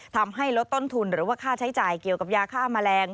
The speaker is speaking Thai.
ทำให้ลดต้นทุนหรือว่าค่าใช้จ่ายเกี่ยวกับยาฆ่าแมลง